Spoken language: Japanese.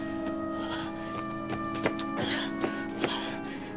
ああ！